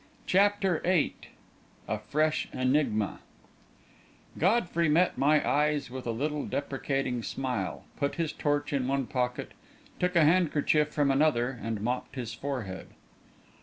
CHAPTER VIII A FRESH ENIGMA Godfrey met my eyes with a little deprecating smile, put his torch in one pocket, took a handkerchief from another, and mopped his forehead.